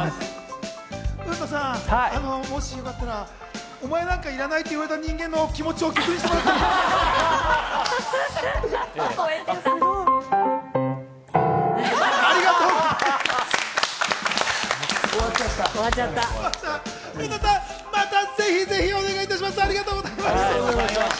海野さん、もしよかったら、お前なんかいらないって言われた人間の気持ちを曲にしてもらってありがとうございます！